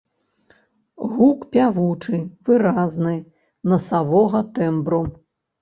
Гук пявучы, выразны, насавога тэмбру.